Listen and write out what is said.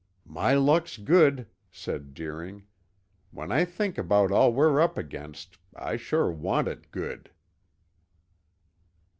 "My luck's good," said Deering. "When I think about all we're up against, I sure want it good."